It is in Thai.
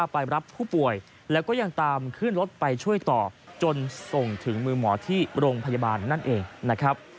ไปรับผู้ป่วยแล้วก็ยังตามขึ้นรถไปช่วยต่อจนส่งถึงมือหมอที่โรงพยาบาลนั่นเองนะครับ